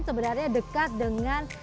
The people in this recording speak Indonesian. sebenarnya dekat dengan